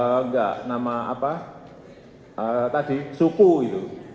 enggak nama apa tadi suku itu